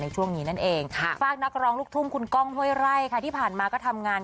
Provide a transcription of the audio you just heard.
ช่วงนี้นั่นเองฝากนักร้องลูกทุ่งคุณก้องห้วยไร่ค่ะที่ผ่านมาก็ทำงาน